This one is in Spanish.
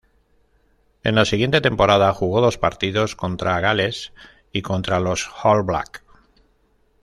En la siguiente temporada, jugó dos partidos, contra Gales y contra los All Blacks.